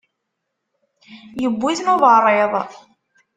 Iwwi-ten uberriḍ.